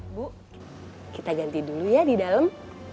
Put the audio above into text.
bu kita ganti dulu ya di dalam